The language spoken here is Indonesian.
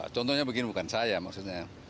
contohnya begini bukan saya maksudnya